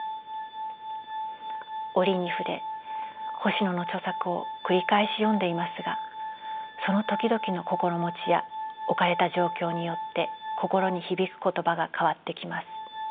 折に触れ星野の著作を繰り返し読んでいますがその時々の心持ちや置かれた状況によって心に響く言葉が変わってきます。